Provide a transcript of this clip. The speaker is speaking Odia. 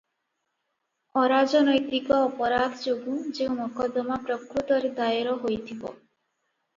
ଅରାଜନୈତିକ ଅପରାଧ ଯୋଗୁଁ ଯେଉଁ ମକଦମା ପ୍ରକୃତରେ ଦାଏର ହୋଇଥିବ ।